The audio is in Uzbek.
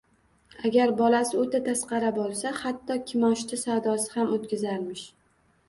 Agar bolasi o`ta tasqara bo`lsa, hatto kimoshdi savdosi ham o`tkazarmish